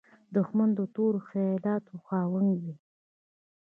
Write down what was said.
دښمن د تورو خیالاتو خاوند وي